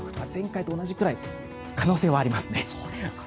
前回と同じぐらい可能性はありますね。